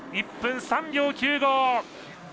１分３秒９５！